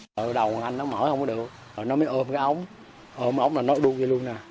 rồi đầu của anh nó mỏi không có được rồi nó mới ôm cái ống ôm cái ống là nó đuôi luôn nè